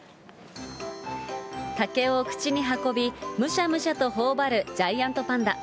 竹を口に運び、むしゃむしゃとほおばるジャイアントパンダ。